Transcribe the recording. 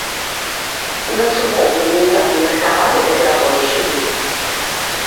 Нас увогуле ніяк не рыхтавалі да пераводу сюды!